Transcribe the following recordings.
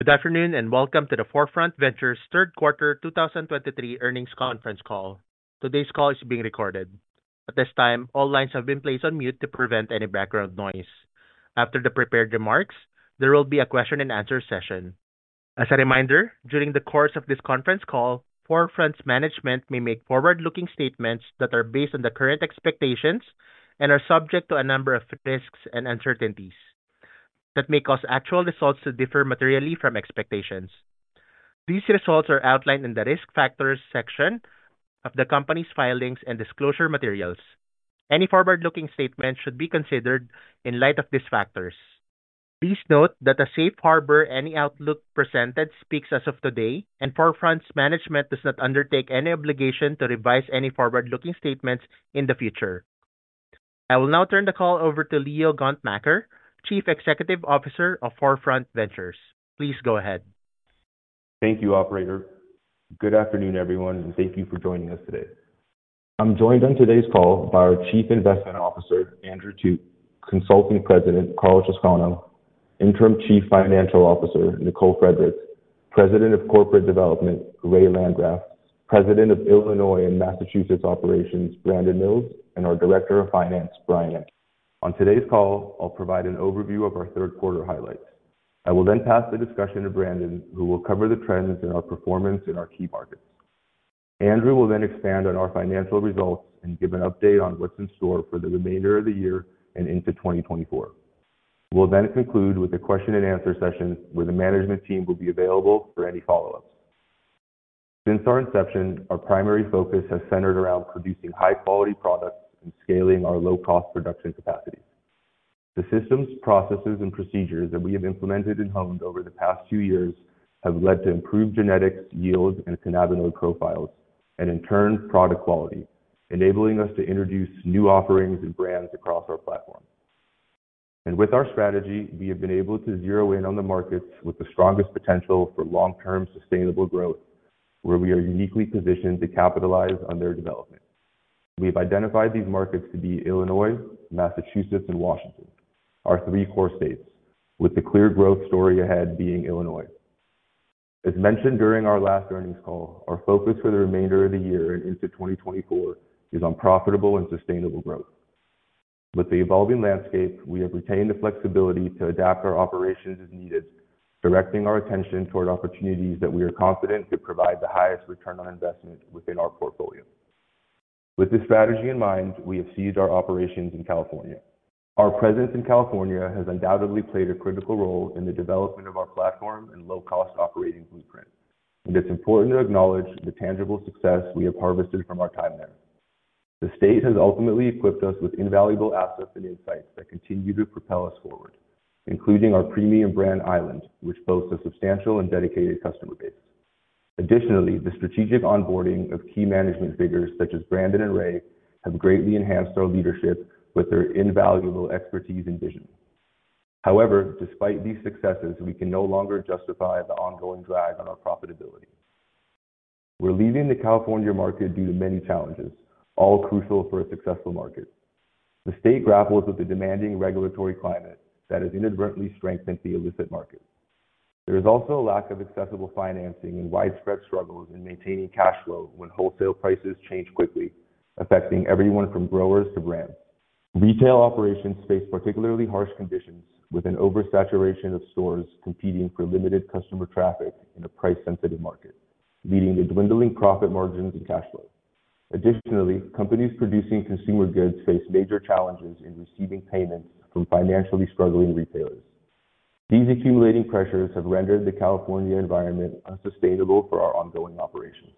Good afternoon, and welcome to the 4Front Ventures Third Quarter 2023 Earnings Conference Call. Today's call is being recorded. At this time, all lines have been placed on mute to prevent any background noise. After the prepared remarks, there will be a question and answer session. As a reminder, during the course of this conference call, 4Front's management may make forward-looking statements that are based on the current expectations and are subject to a number of risks and uncertainties that may cause actual results to differ materially from expectations. These results are outlined in the Risk Factors section of the company's filings and disclosure materials. Any forward-looking statement should be considered in light of these factors. Please note that a safe harbor. Any outlook presented speaks as of today, and 4Front's management does not undertake any obligation to revise any forward-looking statements in the future. I will now turn the call over to Leo Gontmakher, Chief Executive Officer of 4Front Ventures. Please go ahead. Thank you, operator. Good afternoon, everyone, and thank you for joining us today. I'm joined on today's call by our Chief Investment Officer, Andrew Thut, Consulting President, Karl Chowscano, Interim Chief Financial Officer, Nicole Fredericks, President of Corporate Development, Ray Landgraf, President of Illinois and Massachusetts Operations, Brandon Mills, and our Director of Finance, Brian Eck. On today's call, I'll provide an overview of our third quarter highlights. I will then pass the discussion to Brandon, who will cover the trends in our performance in our key markets. Andrew will then expand on our financial results and give an update on what's in store for the remainder of the year and into 2024. We'll then conclude with a question and answer session, where the management team will be available for any follow-ups. Since our inception, our primary focus has centered around producing high-quality products and scaling our low-cost production capacity. The systems, processes, and procedures that we have implemented and honed over the past few years have led to improved genetics, yields, and cannabinoid profiles, and in turn, product quality, enabling us to introduce new offerings and brands across our platform. With our strategy, we have been able to zero in on the markets with the strongest potential for long-term sustainable growth, where we are uniquely positioned to capitalize on their development. We've identified these markets to be Illinois, Massachusetts, and Washington, our three core states, with the clear growth story ahead being Illinois. As mentioned during our last earnings call, our focus for the remainder of the year and into 2024 is on profitable and sustainable growth. With the evolving landscape, we have retained the flexibility to adapt our operations as needed, directing our attention toward opportunities that we are confident could provide the highest return on investment within our portfolio. With this strategy in mind, we have ceased our operations in California. Our presence in California has undoubtedly played a critical role in the development of our platform and low-cost operating blueprint, and it's important to acknowledge the tangible success we have harvested from our time there. The state has ultimately equipped us with invaluable assets and insights that continue to propel us forward, including our premium brand, Island, which boasts a substantial and dedicated customer base. Additionally, the strategic onboarding of key management figures such as Brandon and Ray have greatly enhanced our leadership with their invaluable expertise and vision. However, despite these successes, we can no longer justify the ongoing drag on our profitability. We're leaving the California market due to many challenges, all crucial for a successful market. The state grapples with the demanding regulatory climate that has inadvertently strengthened the illicit market. There is also a lack of accessible financing and widespread struggles in maintaining cash flow when wholesale prices change quickly, affecting everyone from growers to brands. Retail operations face particularly harsh conditions, with an oversaturation of stores competing for limited customer traffic in a price-sensitive market, leading to dwindling profit margins and cash flow. Additionally, companies producing consumer goods face major challenges in receiving payments from financially struggling retailers. These accumulating pressures have rendered the California environment unsustainable for our ongoing operations.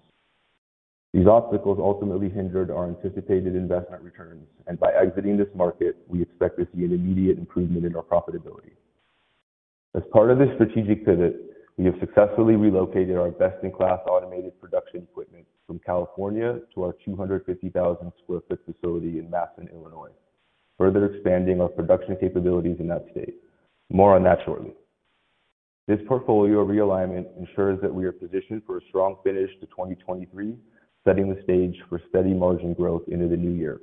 These obstacles ultimately hindered our anticipated investment returns, and by exiting this market, we expect to see an immediate improvement in our profitability. As part of this strategic pivot, we have successfully relocated our best-in-class automated production equipment from California to our 250,000 sq ft facility in Matteson, Illinois, further expanding our production capabilities in that state. More on that shortly. This portfolio realignment ensures that we are positioned for a strong finish to 2023, setting the stage for steady margin growth into the new year.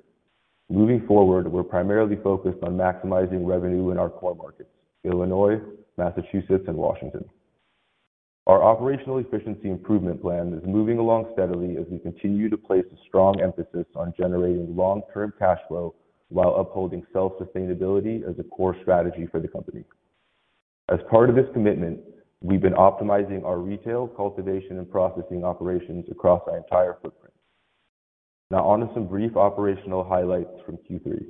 Moving forward, we're primarily focused on maximizing revenue in our core markets: Illinois, Massachusetts, and Washington. Our operational efficiency improvement plan is moving along steadily as we continue to place a strong emphasis on generating long-term cash flow while upholding self-sustainability as a core strategy for the company. As part of this commitment, we've been optimizing our retail, cultivation, and processing operations across our entire footprint. Now, on to some brief operational highlights from Q3.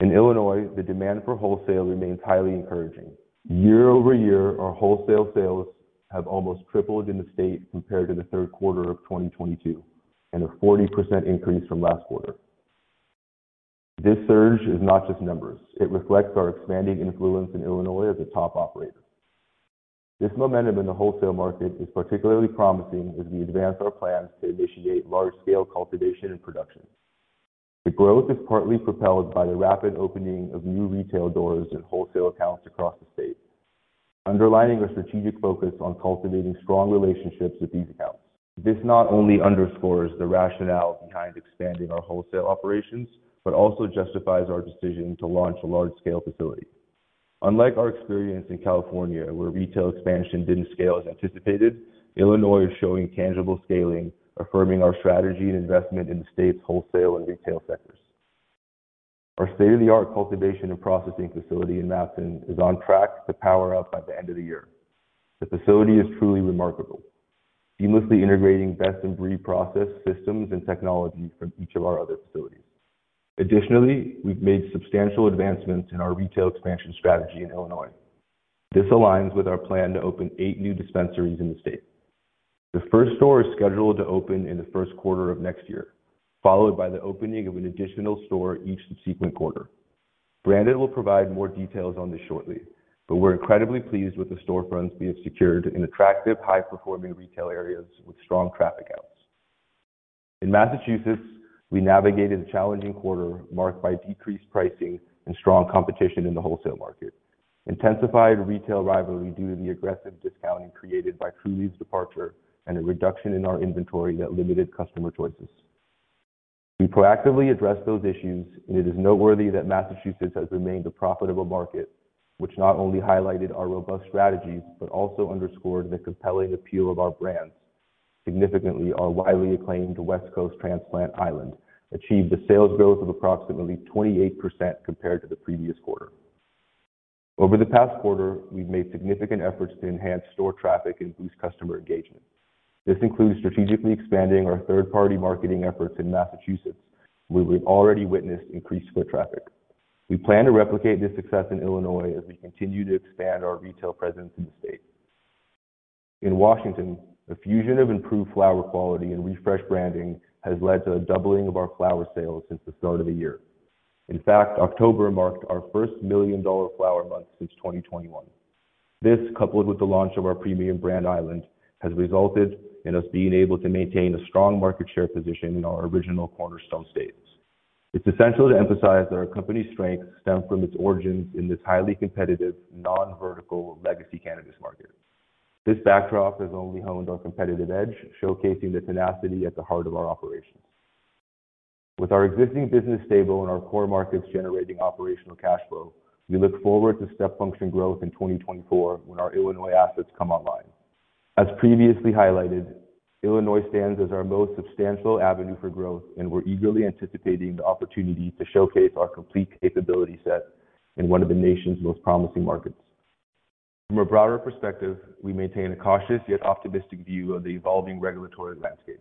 In Illinois, the demand for wholesale remains highly encouraging. YoY, our wholesale sales have almost tripled in the state compared to the third quarter of 2022, and a 40% increase from last quarter. This surge is not just numbers. It reflects our expanding influence in Illinois as a top operator. This momentum in the wholesale market is particularly promising as we advance our plans to initiate large-scale cultivation and production. The growth is partly propelled by the rapid opening of new retail doors and wholesale accounts across the state, underlining our strategic focus on cultivating strong relationships with these accounts. This not only underscores the rationale behind expanding our wholesale operations, but also justifies our decision to launch a large-scale facility. Unlike our experience in California, where retail expansion didn't scale as anticipated, Illinois is showing tangible scaling, affirming our strategy and investment in the state's wholesale and retail sectors. Our state-of-the-art cultivation and processing facility in Matteson is on track to power up by the end of the year. The facility is truly remarkable, seamlessly integrating best-in-breed process systems and technology from each of our other facilities. Additionally, we've made substantial advancements in our retail expansion strategy in Illinois. This aligns with our plan to open 8 new dispensaries in the state. The first store is scheduled to open in the first quarter of next year, followed by the opening of an additional store each subsequent quarter. Brandon will provide more details on this shortly, but we're incredibly pleased with the storefronts we have secured in attractive, high-performing retail areas with strong traffic counts. In Massachusetts, we navigated a challenging quarter marked by decreased pricing and strong competition in the wholesale market, intensified retail rivalry due to the aggressive discounting created by Trulieve's departure, and a reduction in our inventory that limited customer choices. We proactively addressed those issues, and it is noteworthy that Massachusetts has remained a profitable market, which not only highlighted our robust strategies, but also underscored the compelling appeal of our brands. Significantly, our widely acclaimed West Coast transplant, Island, achieved a sales growth of approximately 28% compared to the previous quarter. Over the past quarter, we've made significant efforts to enhance store traffic and boost customer engagement. This includes strategically expanding our third-party marketing efforts in Massachusetts, where we've already witnessed increased foot traffic. We plan to replicate this success in Illinois as we continue to expand our retail presence in the state. In Washington, a fusion of improved flower quality and refreshed branding has led to a doubling of our flower sales since the start of the year. In fact, October marked our first $1 million flower month since 2021. This, coupled with the launch of our premium brand, Island, has resulted in us being able to maintain a strong market share position in our original cornerstone states. It's essential to emphasize that our company's strength stemmed from its origins in this highly competitive, non-vertical legacy cannabis market. This backdrop has only honed our competitive edge, showcasing the tenacity at the heart of our operations. With our existing business stable and our core markets generating operational cash flow, we look forward to step function growth in 2024 when our Illinois assets come online. As previously highlighted, Illinois stands as our most substantial avenue for growth, and we're eagerly anticipating the opportunity to showcase our complete capability set in one of the nation's most promising markets. From a broader perspective, we maintain a cautious yet optimistic view of the evolving regulatory landscape.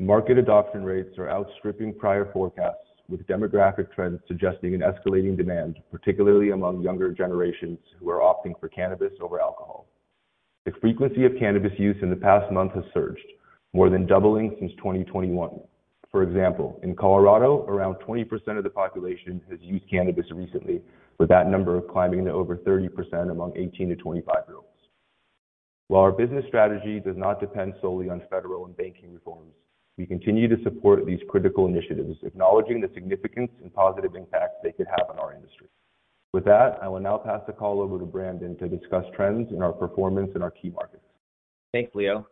Market adoption rates are outstripping prior forecasts, with demographic trends suggesting an escalating demand, particularly among younger generations who are opting for cannabis over alcohol. The frequency of cannabis use in the past month has surged, more than doubling since 2021. For example, in Colorado, around 20% of the population has used cannabis recently, with that number climbing to over 30% among 18-25-year-olds. While our business strategy does not depend solely on federal and banking reforms, we continue to support these critical initiatives, acknowledging the significance and positive impact they could have on our industry. With that, I will now pass the call over to Brandon to discuss trends in our performance in our key markets. Thanks, Leo.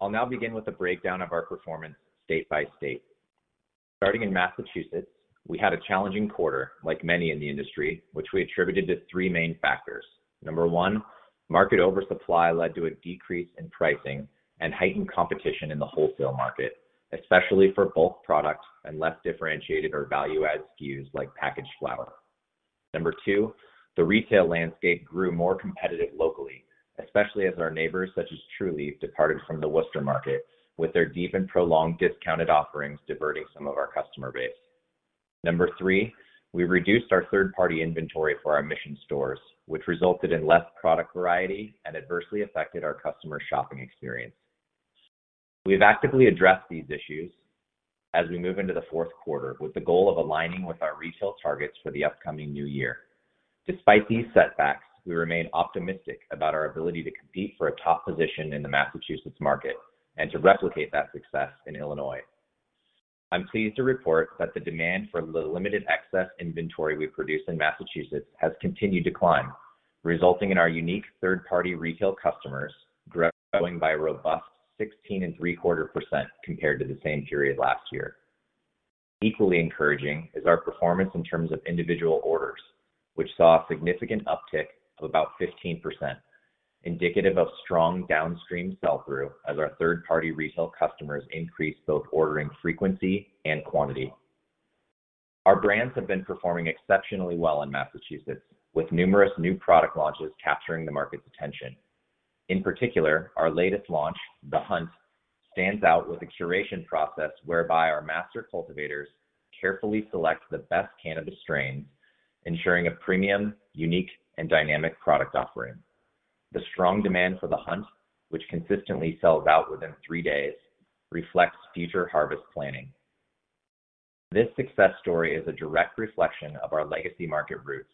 I'll now begin with a breakdown of our performance state by state. Starting in Massachusetts, we had a challenging quarter, like many in the industry, which we attributed to three main factors. Number one, market oversupply led to a decrease in pricing and heightened competition in the wholesale market, especially for bulk products and less differentiated or value-add SKUs like packaged flower. Number two, the retail landscape grew more competitive locally, especially as our neighbors, such as Trulieve, departed from the Worcester market, with their deep and prolonged discounted offerings diverting some of our customer base. Number three, we reduced our third-party inventory for our Mission stores, which resulted in less product variety and adversely affected our customers' shopping experience. We've actively addressed these issues as we move into the fourth quarter, with the goal of aligning with our retail targets for the upcoming new year. Despite these setbacks, we remain optimistic about our ability to compete for a top position in the Massachusetts market and to replicate that success in Illinois. I'm pleased to report that the demand for the limited excess inventory we produce in Massachusetts has continued to climb, resulting in our unique third-party retail customers growing by a robust 16.75% compared to the same period last year. Equally encouraging is our performance in terms of individual orders, which saw a significant uptick of about 15%, indicative of strong downstream sell-through as our third-party retail customers increased both ordering frequency and quantity. Our brands have been performing exceptionally well in Massachusetts, with numerous new product launches capturing the market's attention. In particular, our latest launch, The Hunt, stands out with a curation process whereby our master cultivators carefully select the best cannabis strains, ensuring a premium, unique, and dynamic product offering. The strong demand for The Hunt, which consistently sells out within three days, reflects future harvest planning. This success story is a direct reflection of our legacy market roots,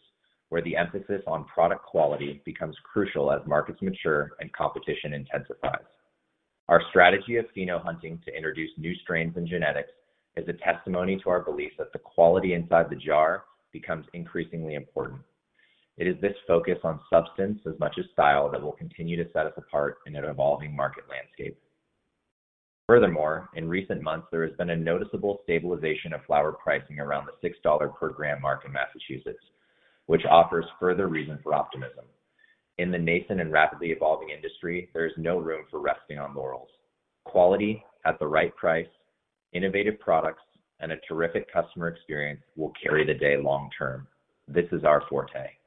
where the emphasis on product quality becomes crucial as markets mature and competition intensifies. Our strategy of pheno hunting to introduce new strains and genetics is a testimony to our belief that the quality inside the jar becomes increasingly important. It is this focus on substance as much as style that will continue to set us apart in an evolving market landscape. Furthermore, in recent months, there has been a noticeable stabilization of flower pricing around the $6 per gram mark in Massachusetts, which offers further reason for optimism. In the nascent and rapidly evolving industry, there is no room for resting on laurels. Quality at the right price, innovative products, and a terrific customer experience will carry the day long term. This is our forte.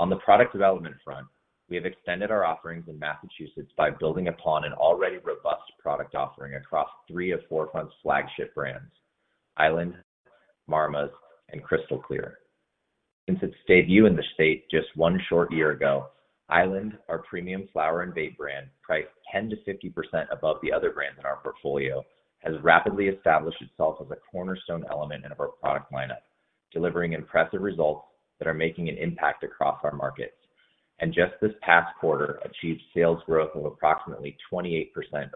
On the product development front, we have extended our offerings in Massachusetts by building upon an already robust product offering across three of 4Front's flagship brands: Island, Marmas, and Crystal Clear. Since its debut in the state just one short year ago, Island, our premium flower and vape brand, priced 10%-50% above the other brands in our portfolio, has rapidly established itself as a cornerstone element in our product lineup, delivering impressive results that are making an impact across our markets, and just this past quarter, achieved sales growth of approximately 28%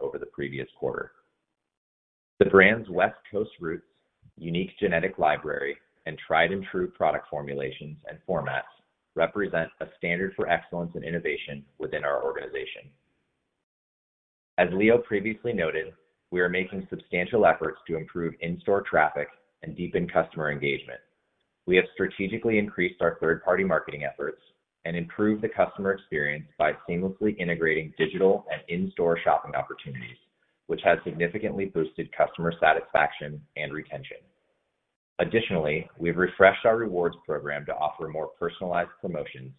over the previous quarter. The brand's West Coast roots, unique genetic library, and tried-and-true product formulations and formats represent a standard for excellence and innovation within our organization. As Leo previously noted, we are making substantial efforts to improve in-store traffic and deepen customer engagement. We have strategically increased our third-party marketing efforts and improved the customer experience by seamlessly integrating digital and in-store shopping opportunities, which has significantly boosted customer satisfaction and retention. Additionally, we've refreshed our rewards program to offer more personalized promotions,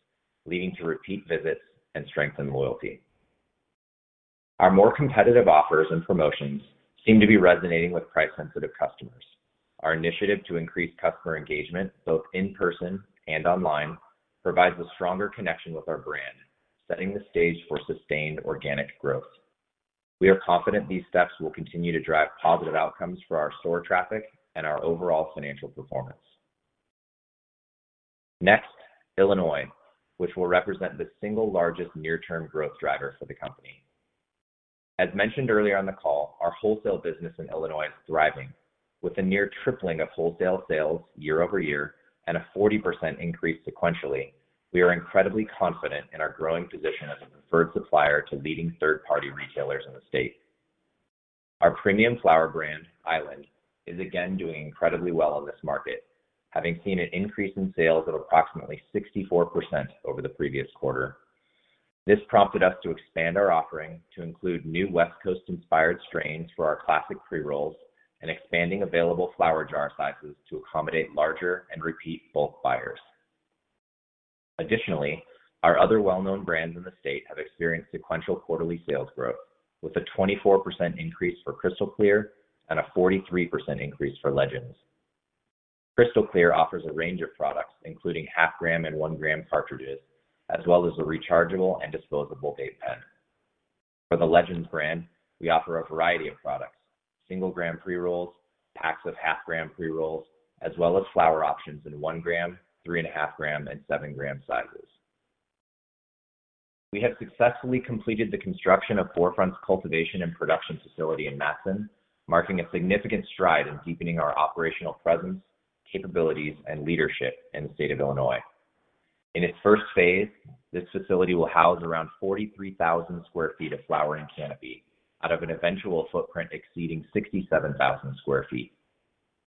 leading to repeat visits and strengthen loyalty. Our more competitive offers and promotions seem to be resonating with price-sensitive customers. Our initiative to increase customer engagement, both in person and online, provides a stronger connection with our brand, setting the stage for sustained organic growth. We are confident these steps will continue to drive positive outcomes for our store traffic and our overall financial performance. Next, Illinois, which will represent the single largest near-term growth driver for the company. As mentioned earlier on the call, our wholesale business in Illinois is thriving. With a near tripling of wholesale sales YoY and a 40% increase sequentially, we are incredibly confident in our growing position as a preferred supplier to leading third-party retailers in the state. Our premium flower brand, Island, is again doing incredibly well in this market, having seen an increase in sales of approximately 64% over the previous quarter. This prompted us to expand our offering to include new West Coast-inspired strains for our classic pre-rolls and expanding available flower jar sizes to accommodate larger and repeat bulk buyers. Additionally, our other well-known brands in the state have experienced sequential quarterly sales growth, with a 24% increase for Crystal Clear and a 43% increase for Legends. Crystal Clear offers a range of products, including half-gram and 1-gram cartridges, as well as a rechargeable and disposable vape pen. For the Legends brand, we offer a variety of products: single-gram pre-rolls, packs of half-gram pre-rolls, as well as flower options in 1-gram, 3.5-gram, and 7-gram sizes. We have successfully completed the construction of 4Front's cultivation and production facility in Matteson, marking a significant stride in deepening our operational presence, capabilities, and leadership in the state of Illinois. In its first phase, this facility will house around 43,000 sq ft of flowering canopy out of an eventual footprint exceeding 67,000 sq ft.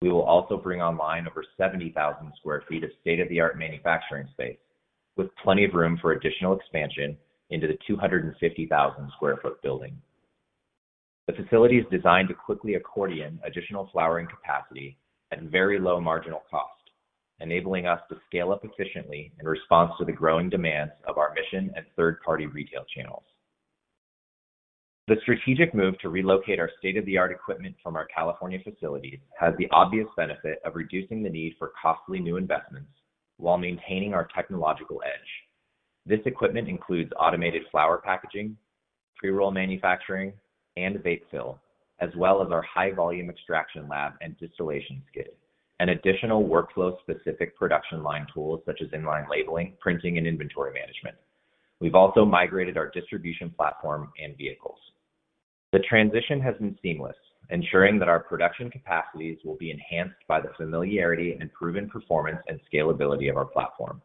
We will also bring online over 70,000 sq ft of state-of-the-art manufacturing space, with plenty of room for additional expansion into the 250,000 sq ft building. The facility is designed to quickly accordion additional flowering capacity at very low marginal cost, enabling us to scale up efficiently in response to the growing demands of our Mission and third-party retail channels. The strategic move to relocate our state-of-the-art equipment from our California facilities has the obvious benefit of reducing the need for costly new investments while maintaining our technological edge. This equipment includes automated flower packaging, pre-roll manufacturing, and vape fill, as well as our high-volume extraction lab and distillation skid, and additional workflow-specific production line tools such as inline labeling, printing, and inventory management. We've also migrated our distribution platform and vehicles. The transition has been seamless, ensuring that our production capacities will be enhanced by the familiarity and proven performance and scalability of our platform.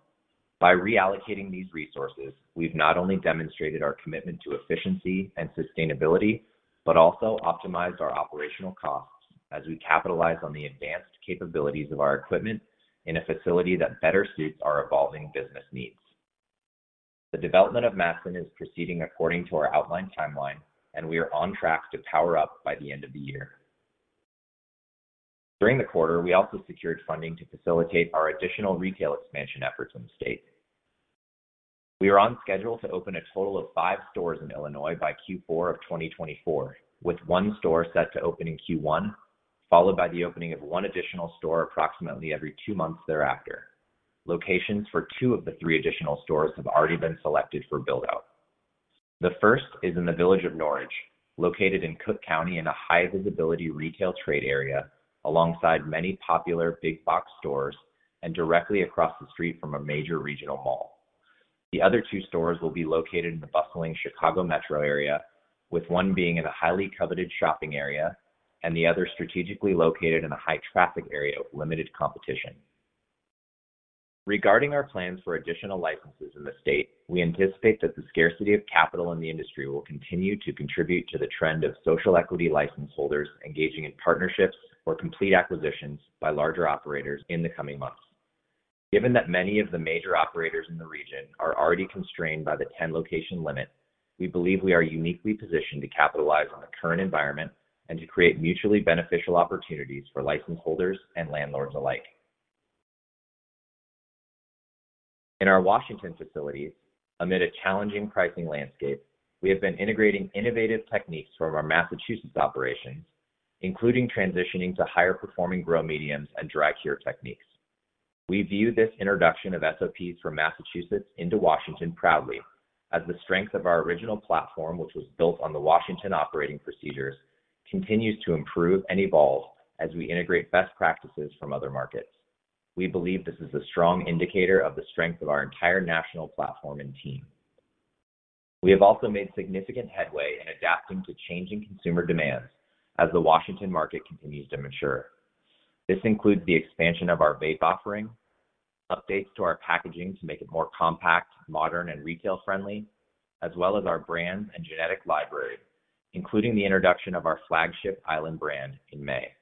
By reallocating these resources, we've not only demonstrated our commitment to efficiency and sustainability, but also optimized our operational costs as we capitalize on the advanced capabilities of our equipment in a facility that better suits our evolving business needs. The development of Matteson is proceeding according to our outlined timeline, and we are on track to power up by the end of the year. During the quarter, we also secured funding to facilitate our additional retail expansion efforts in the state. We are on schedule to open a total of five stores in Illinois by Q4 of 2024, with one store set to open in Q1, followed by the opening of one additional store approximately every two months thereafter. Locations for two of the three additional stores have already been selected for build-out. The first is in the village of Niles, located in Cook County, in a high-visibility retail trade area, alongside many popular big box stores and directly across the street from a major regional mall. The other two stores will be located in the bustling Chicago metro area, with one being in a highly coveted shopping area and the other strategically located in a high-traffic area with limited competition. Regarding our plans for additional licenses in the state, we anticipate that the scarcity of capital in the industry will continue to contribute to the trend of social equity license holders engaging in partnerships or complete acquisitions by larger operators in the coming months. Given that many of the major operators in the region are already constrained by the 10-location limit, we believe we are uniquely positioned to capitalize on the current environment and to create mutually beneficial opportunities for license holders and landlords alike. In our Washington facilities, amid a challenging pricing landscape, we have been integrating innovative techniques from our Massachusetts operations, including transitioning to higher-performing grow mediums and dry cure techniques. We view this introduction of SOPs from Massachusetts into Washington proudly, as the strength of our original platform, which was built on the Washington operating procedures, continues to improve and evolve as we integrate best practices from other markets. We believe this is a strong indicator of the strength of our entire national platform and team. We have also made significant headway in adapting to changing consumer demands as the Washington market continues to mature. This includes the expansion of our vape offering, updates to our packaging to make it more compact, modern, and retail-friendly, as well as our brand and genetic library, including the introduction of our flagship Island brand in May.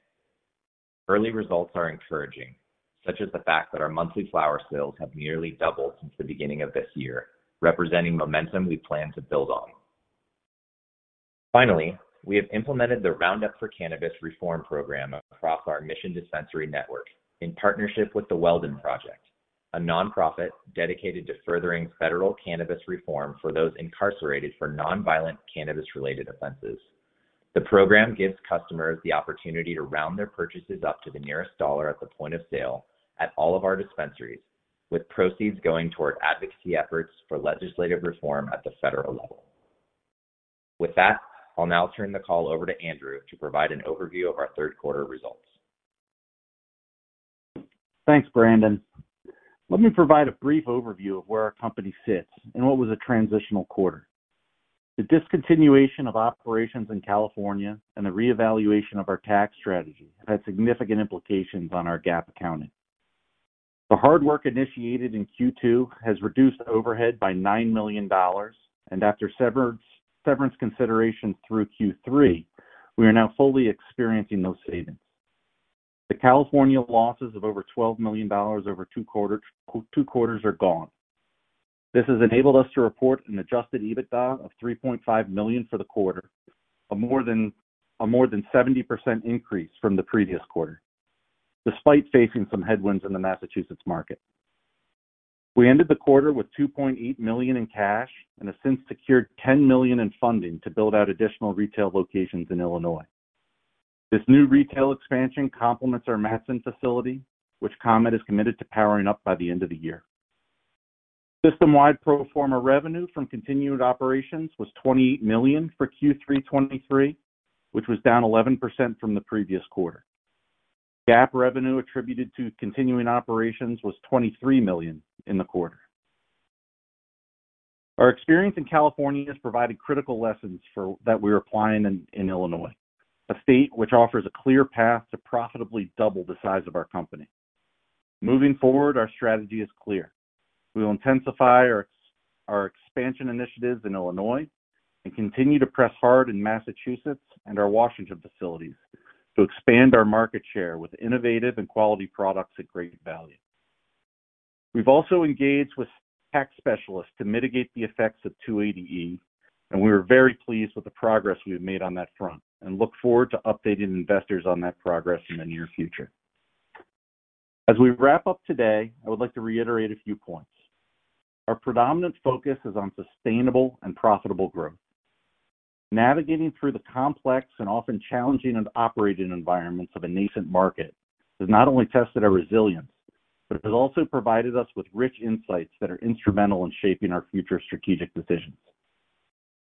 Early results are encouraging, such as the fact that our monthly flower sales have nearly doubled since the beginning of this year, representing momentum we plan to build on. Finally, we have implemented the Round Up for Cannabis Reform program across our Mission Dispensaries network in partnership with the Weldon Project, a nonprofit dedicated to furthering federal cannabis reform for those incarcerated for non-violent cannabis-related offenses. The program gives customers the opportunity to round their purchases up to the nearest dollar at the point of sale at all of our dispensaries, with proceeds going toward advocacy efforts for legislative reform at the federal level. With that, I'll now turn the call over to Andrew to provide an overview of our third quarter results. Thanks, Brandon. Let me provide a brief overview of where our company sits in what was a transitional quarter. The discontinuation of operations in California and the reevaluation of our tax strategy had significant implications on our GAAP accounting. The hard work initiated in Q2 has reduced overhead by $9 million, and after severance considerations through Q3, we are now fully experiencing those savings. The California losses of over $12 million over 2 quarters, 2 quarters are gone. This has enabled us to report an Adjusted EBITDA of $3.5 million for the quarter, a more than, a more than 70% increase from the previous quarter, despite facing some headwinds in the Massachusetts market. We ended the quarter with $2.8 million in cash and have since secured $10 million in funding to build out additional retail locations in Illinois. This new retail expansion complements our Matteson facility, which ComEd is committed to powering up by the end of the year. System-wide pro forma revenue from continued operations was $28 million for Q3 2023, which was down 11% from the previous quarter. GAAP revenue attributed to continuing operations was $23 million in the quarter. Our experience in California has provided critical lessons that we are applying in Illinois, a state which offers a clear path to profitably double the size of our company. Moving forward, our strategy is clear. We will intensify our expansion initiatives in Illinois and continue to press hard in Massachusetts and our Washington facilities to expand our market share with innovative and quality products at great value. We've also engaged with tax specialists to mitigate the effects of 280E, and we are very pleased with the progress we've made on that front and look forward to updating investors on that progress in the near future. As we wrap up today, I would like to reiterate a few points. Our predominant focus is on sustainable and profitable growth. Navigating through the complex and often challenging operating environments of a nascent market has not only tested our resilience, but has also provided us with rich insights that are instrumental in shaping our future strategic decisions.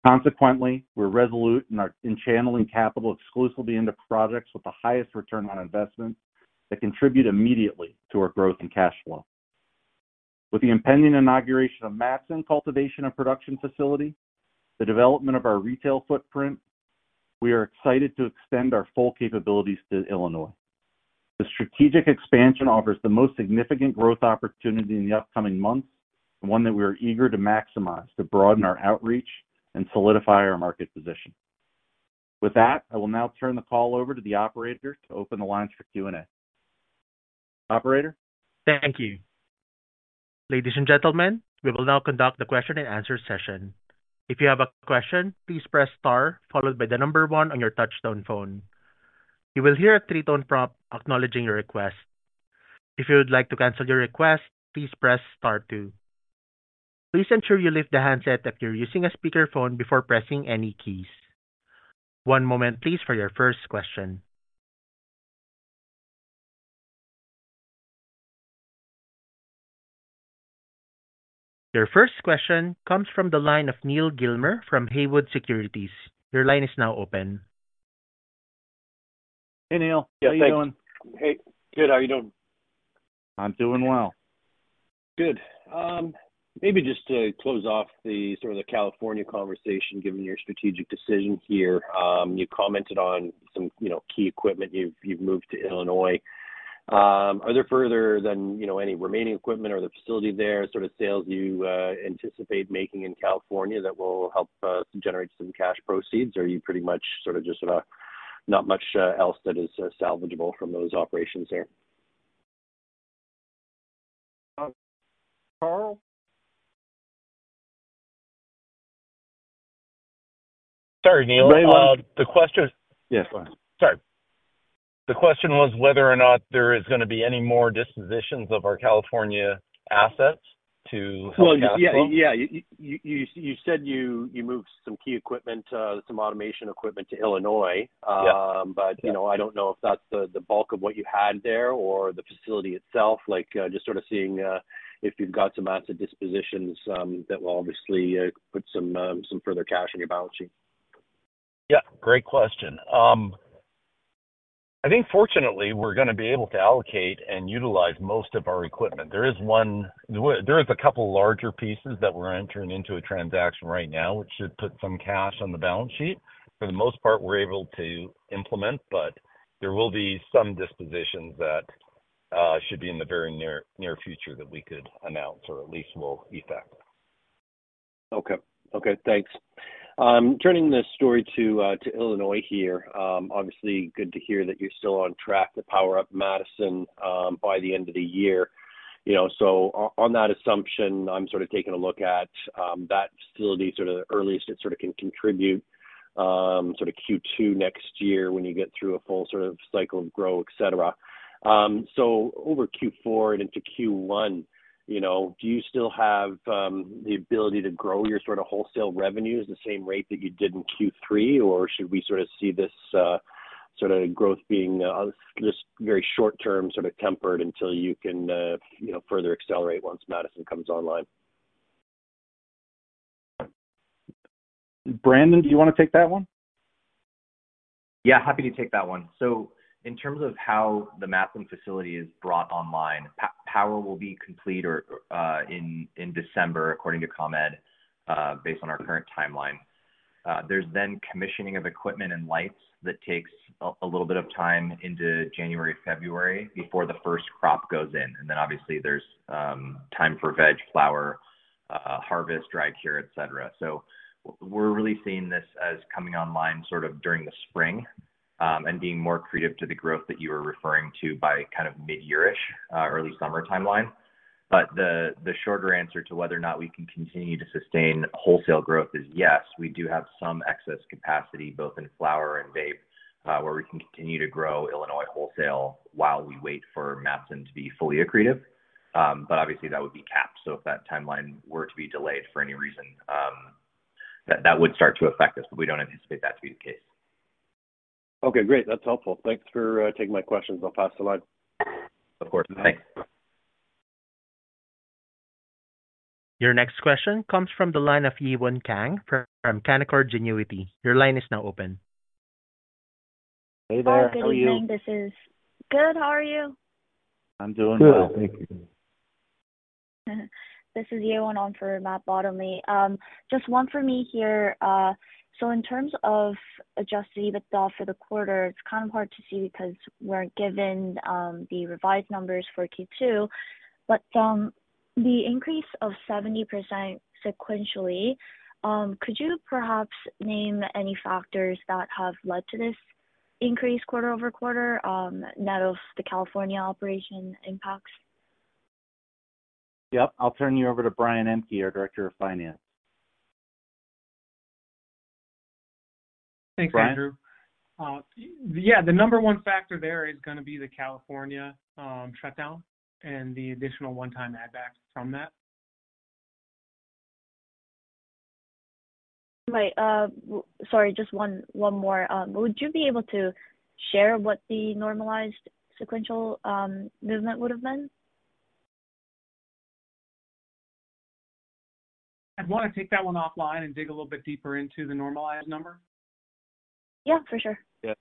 Consequently, we're resolute in channeling capital exclusively into projects with the highest return on investment that contribute immediately to our growth and cash flow. With the impending inauguration of Matteson cultivation and production facility, the development of our retail footprint, we are excited to extend our full capabilities to Illinois. The strategic expansion offers the most significant growth opportunity in the upcoming months, and one that we are eager to maximize to broaden our outreach and solidify our market position. With that, I will now turn the call over to the operator to open the lines for Q&A. Operator? Thank you. Ladies and gentlemen, we will now conduct the question and answer session. If you have a question, please press star followed by the number one on your touchtone phone. You will hear a three-tone prompt acknowledging your request. If you would like to cancel your request, please press star two. Please ensure you leave the handset if you're using a speakerphone before pressing any keys. One moment please for your first question. Your first question comes from the line of Neal Gilmer from Haywood Securities. Your line is now open. Hey, Neal. How you doing? Hey, good. How are you doing? I'm doing well. Good. Maybe just to close off the sort of the California conversation, given your strategic decision here. You commented on some, you know, key equipment you've moved to Illinois. Are there further than, you know, any remaining equipment or the facility there, sort of, sales you anticipate making in California that will help generate some cash proceeds? Or are you pretty much sort of just not much else that is salvageable from those operations there? Um, Karl? Sorry, Neal. Go on. The question- Yes. Go on. Sorry. The question was whether or not there is going to be any more dispositions of our California assets to- Well, yeah. Yeah, you said you moved some key equipment, some automation equipment to Illinois. Yes. But, you know, I don't know if that's the bulk of what you had there or the facility itself. Like, just sort of seeing if you've got some asset dispositions that will obviously put some further cash on your balance sheet. Yeah, great question. I think fortunately, we're going to be able to allocate and utilize most of our equipment. There is a couple larger pieces that we're entering into a transaction right now, which should put some cash on the balance sheet. For the most part, we're able to implement, but there will be some dispositions that should be in the very near, near future that we could announce or at least will effect. Okay. Okay, thanks. Turning the story to, to Illinois here, obviously, good to hear that you're still on track to power up Matteson by the end of the year. You know, so on that assumption, I'm sort of taking a look at, that facility, sort of, the earliest it sort of can contribute, sort of Q2 next year when you get through a full sort of cycle of grow, et cetera. So over Q4 and into Q1, you know, do you still have the ability to grow your sort of wholesale revenues the same rate that you did in Q3? Or should we sort of see this, sort of growth being, just very short term, sort of tempered until you can, you know, further accelerate once Matteson comes online? Brandon, do you want to take that one? Yeah, happy to take that one. So in terms of how the Matteson facility is brought online, power will be complete or in December, according to ComEd, based on our current timeline. There's then commissioning of equipment and lights that takes a little bit of time into January, February, before the first crop goes in. And then obviously there's time for veg, flower, harvest, dry cure, et cetera. So we're really seeing this as coming online sort of during the spring, and being more accretive to the growth that you were referring to by kind of midyear-ish, early summer timeline. But the shorter answer to whether or not we can continue to sustain wholesale growth is yes, we do have some excess capacity, both in flower and vape, where we can continue to grow Illinois wholesale while we wait for Matteson to be fully accretive. But obviously that would be capped. So if that timeline were to be delayed for any reason, that would start to affect us, but we don't anticipate that to be the case. Okay, great. That's helpful. Thanks for taking my questions. I'll pass the line. Of course. Thanks. Your next question comes from the line of Yewon Kang from Canaccord Genuity. Your line is now open. Hey there. How are you? Good morning. Good. How are you? I'm doing well. Good, thank you. This is Yewon on for Matt Bottomley. Just one for me here. So in terms of Adjusted EBITDA for the quarter, it's kind of hard to see because we're given the revised numbers for Q2. But the increase of 70% sequentially, could you perhaps name any factors that have led to this increase quarter over quarter, net of the California operation impacts? Yep. I'll turn you over to Brian Eck, our Director of Finance. Thanks, Andrew. Brian. Yeah, the number one factor there is going to be the California shutdown and the additional one-time add back from that. Right. Sorry, just one more. Would you be able to share what the normalized sequential movement would have been? I'd want to take that one offline and dig a little bit deeper into the normalized number. Yeah, for sure. Yeah.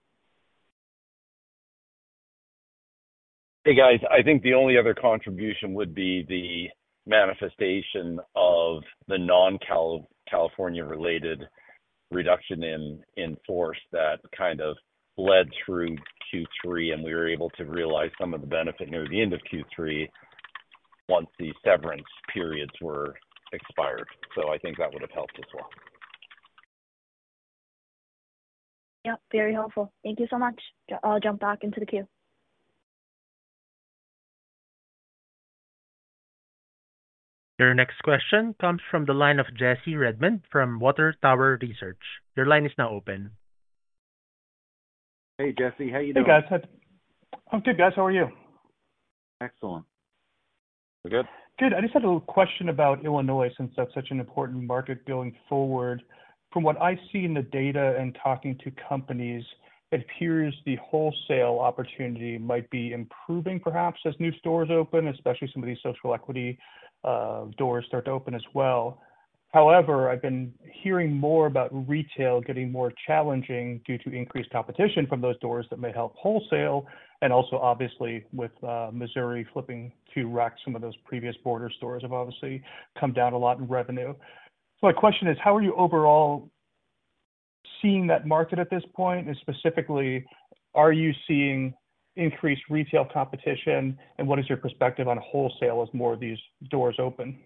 Hey, guys, I think the only other contribution would be the manifestation of the non-California-related reduction in force that kind of led through Q3, and we were able to realize some of the benefit near the end of Q3, once the severance periods were expired. So I think that would have helped as well. Yep, very helpful. Thank you so much. I'll jump back into the queue. Your next question comes from the line of Jesse Redmond from Water Tower Research. Your line is now open. Hey, Jesse. How you doing? Hey, guys. I'm good, guys. How are you? Excellent. We're good. Good. I just had a little question about Illinois, since that's such an important market going forward. From what I see in the data and talking to companies, it appears the wholesale opportunity might be improving, perhaps as new stores open, especially some of these social equity doors start to open as well. However, I've been hearing more about retail getting more challenging due to increased competition from those stores that may help wholesale, and also obviously with Missouri flipping to rec. Some of those previous border stores have obviously come down a lot in revenue. So my question is, how are you overall seeing that market at this point? And specifically, are you seeing increased retail competition, and what is your perspective on wholesale as more of these doors open?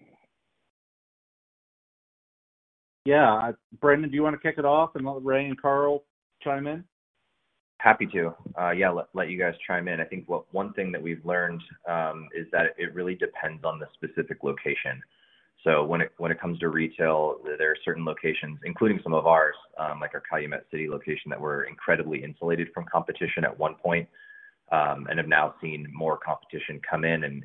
Yeah. Brandon, do you want to kick it off and let Ray and Karl chime in? Happy to. Yeah, let you guys chime in. I think one thing that we've learned is that it really depends on the specific location. So when it comes to retail, there are certain locations, including some of ours, like our Calumet City location, that were incredibly insulated from competition at one point, and have now seen more competition come in, and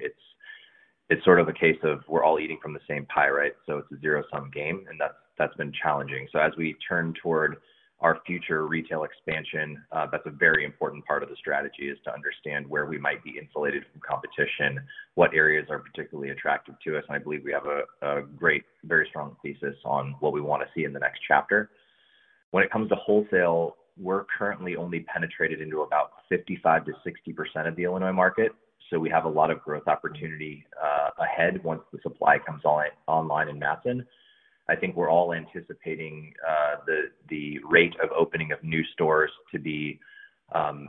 it's sort of a case of we're all eating from the same pie, right? So it's a zero-sum game, and that's been challenging. So as we turn toward our future retail expansion, that's a very important part of the strategy, is to understand where we might be insulated from competition, what areas are particularly attractive to us, and I believe we have a great, very strong thesis on what we wanna see in the next chapter. When it comes to wholesale, we're currently only penetrated into about 55%-60% of the Illinois market, so we have a lot of growth opportunity ahead once the supply comes online in Matteson. I think we're all anticipating the rate of opening of new stores to be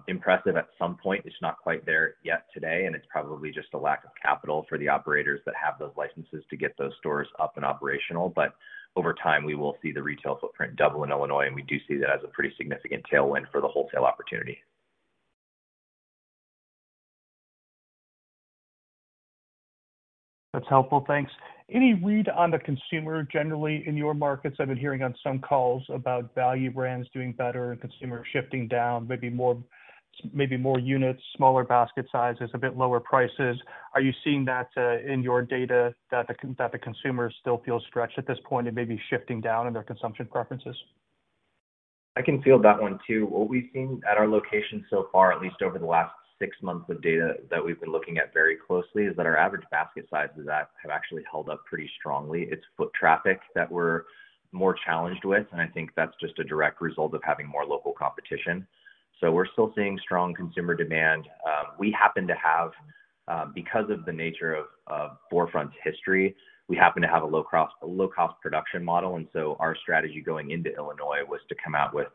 impressive at some point. It's not quite there yet today, and it's probably just a lack of capital for the operators that have those licenses to get those stores up and operational. But over time, we will see the retail footprint double in Illinois, and we do see that as a pretty significant tailwind for the wholesale opportunity. That's helpful. Thanks. Any read on the consumer generally in your markets? I've been hearing on some calls about value brands doing better and consumer shifting down, maybe more, maybe more units, smaller basket sizes, a bit lower prices. Are you seeing that in your data, that the consumer still feels stretched at this point and may be shifting down in their consumption preferences? I can field that one, too. What we've seen at our location so far, at least over the last six months of data that we've been looking at very closely, is that our average basket sizes at, have actually held up pretty strongly. It's foot traffic that we're more challenged with, and I think that's just a direct result of having more local competition. So we're still seeing strong consumer demand. We happen to have... Because of the nature of 4Front's history, we happen to have a low cost, a low-cost production model, and so our strategy going into Illinois was to come out with,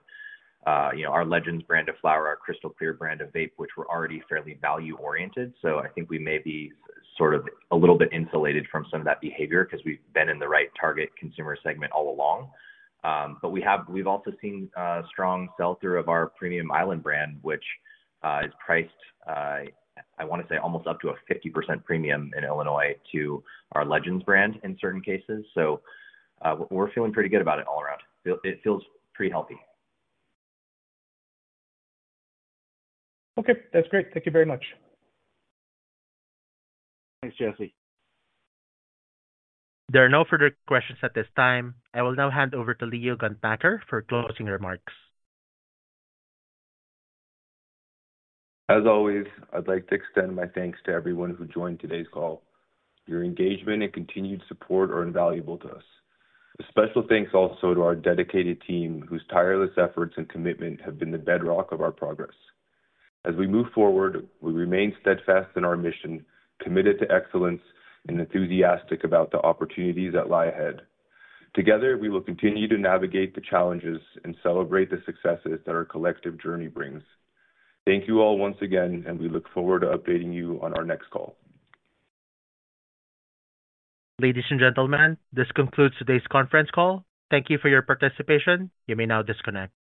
you know, our Legends brand of flower, our Crystal Clear brand of vape, which were already fairly value-oriented. So I think we may be sort of a little bit insulated from some of that behavior, 'cause we've been in the right target consumer segment all along. But we've also seen strong sell-through of our premium Island brand, which is priced, I wanna say almost up to a 50% premium in Illinois to our Legends brand in certain cases. So, we're feeling pretty good about it all around. It feels pretty healthy. Okay, that's great. Thank you very much. Thanks, Jesse. There are no further questions at this time. I will now hand over to Leo Gontmakher for closing remarks. As always, I'd like to extend my thanks to everyone who joined today's call. Your engagement and continued support are invaluable to us. A special thanks also to our dedicated team, whose tireless efforts and commitment have been the bedrock of our progress. As we move forward, we remain steadfast in our Mission, committed to excellence, and enthusiastic about the opportunities that lie ahead. Together, we will continue to navigate the challenges and celebrate the successes that our collective journey brings. Thank you all once again, and we look forward to updating you on our next call. Ladies and gentlemen, this concludes today's conference call. Thank you for your participation. You may now disconnect.